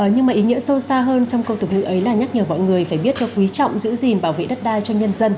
nhưng mà ý nghĩa sâu xa hơn trong câu lưu ấy là nhắc nhở mọi người phải biết được quý trọng giữ gìn bảo vệ đất đai cho nhân dân